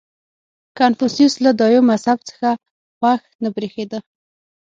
• کنفوسیوس له دایو مذهب څخه خوښ نه برېښېده.